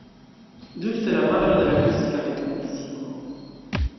Ĝuste la malo de la klasika metafiziko.